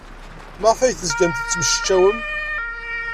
Maɣef ay tezgam tettmecčiwem?